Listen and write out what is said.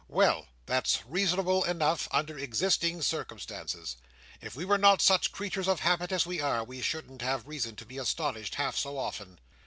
Well! That's reasonable enough under existing circumstances. If we were not such creatures of habit as we are, we shouldn't have reason to be astonished half so often."